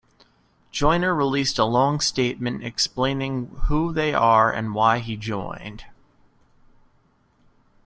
Joyner released a long statement explaining who they are and why he joined.